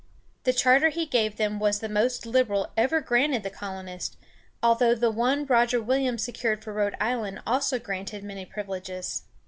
The charter he gave them was the most liberal ever granted the colonists, although the one Roger Williams secured for Rhode Island also granted many privileges.